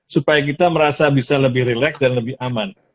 supaya kita merasa bisa lebih relax dan lebih aman